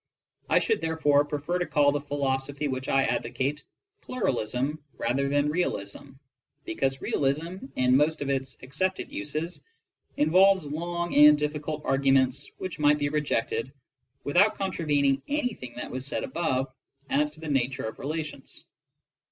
I should therefore prefer to call the philosophy which I advocate ''pluralism" rather than ''realism," because realism, in most of its accepted uses, involves long and difficult arguments which might be rejected without contravening anything that was said above as to the nature of relations.